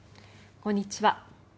こんにちは。